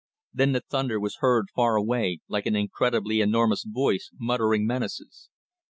Then the thunder was heard far away, like an incredibly enormous voice muttering menaces.